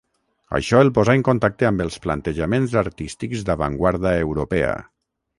Això el posà en contacte amb els plantejaments artístics d'avantguarda europea.